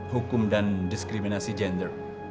hukum dan diskriminasi gender